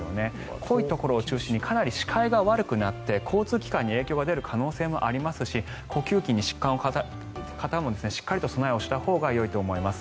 濃いところを中心にかなり視界が悪くなって交通機関に影響が出る可能性もありますし呼吸器に疾患を抱えている方もしっかり備えをしたほうがよいと思います。